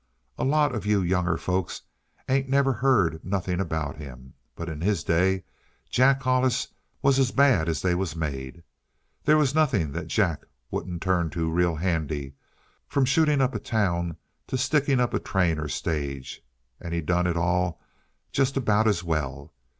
A lot of you younger folks ain't never heard nothing about him. But in his day Jack Hollis was as bad as they was made. They was nothing that Jack wouldn't turn to real handy, from shootin' up a town to sticking up a train or a stage. And he done it all just about as well.